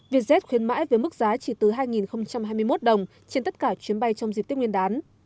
vietjet khuyến mãi với mức giá chỉ từ hai hai mươi một đồng trên tất cả chuyến bay trong dịp tiết nguyên đán